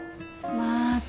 また。